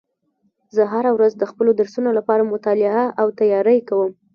زه هره ورځ د خپلو درسونو لپاره مطالعه او تیاری کوم